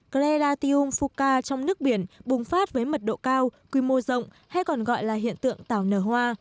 creratium fuka trong nước biển bùng phát với mật độ cao quy mô rộng hay còn gọi là hiện tượng tảo nở hoa